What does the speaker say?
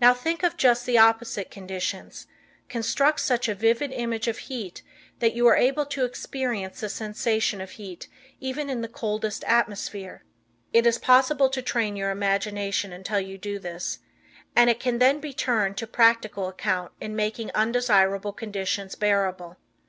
Now think of just the opposite conditions; construct such a vivid image of heat that you are able to experience the sensation of heat even in the coldest atmosphere. It is possible to train your imagination until you do this, and it can then be turned to practical account in making undesirable conditions bearable.